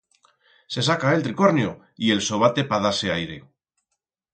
Se saca el tricornio y el sobate pa dar-se aire.